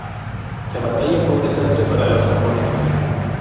La batalla fue un desastre para los japoneses.